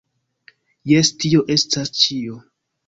Jes tio estas ĉio!